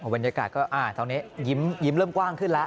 บรรยากาศก็ตอนนี้ยิ้มเริ่มกว้างขึ้นแล้ว